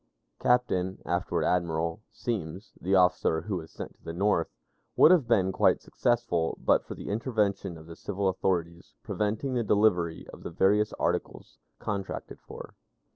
Captain (afterward Admiral) Semmes, the officer who was sent to the North, would have been quite successful but for the intervention of the civil authorities, preventing the delivery of the various articles contracted for.